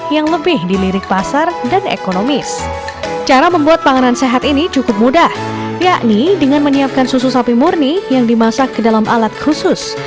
yakni dengan menyiapkan susu sapi murni yang dimasak ke dalam alat khusus